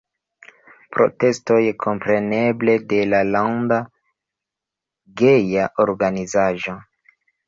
Protestoj, kompreneble, de la landa geja organizaĵo.